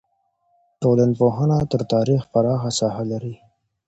ټولنپوهنه تر تاریخ پراخه ساحه لري.